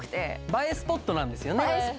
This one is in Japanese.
映えスポットなんですよね。